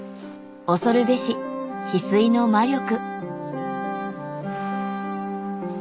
恐るべしヒスイの魔力。